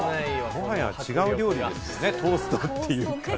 もはや違う料理ですよね、トーストというより。